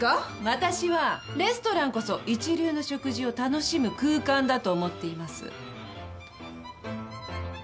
私はレストランこそ一流の食事を楽しむ空間だと思っています。